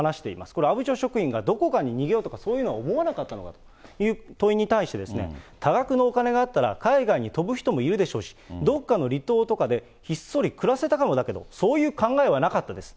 これ阿武町職員がどこかに逃げようとか、そういうのは思わなかったのかという問いに対して、多額のお金があったら海外に飛ぶ人もいるでしょうし、どこかの離島とかでひっそり暮らせたかもだけど、そういう考えはなかったです。